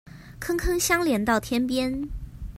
坑坑相連到天邊